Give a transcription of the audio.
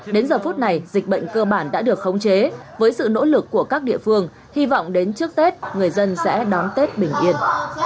đến giờ phút này dịch bệnh cơ bản đã được khống chế với sự nỗ lực của các địa phương hy vọng đến trước tết người dân sẽ đón tết bình yên